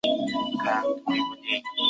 他的想法路人都能知道了。